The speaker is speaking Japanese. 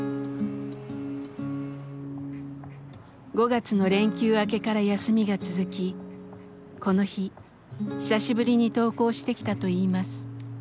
５月の連休明けから休みが続きこの日久しぶりに登校してきたといいます。